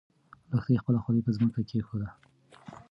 لښتې خپله ځولۍ په ځمکه کېښوده.